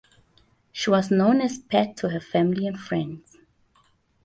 She was known as Pat to her family and friends.